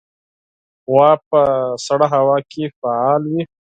غوا په سړه هوا کې فعال وي.